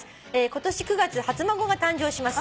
「今年９月初孫が誕生します」